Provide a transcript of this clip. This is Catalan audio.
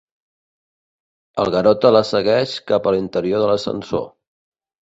El Garota la segueix cap a l'interior de l'ascensor.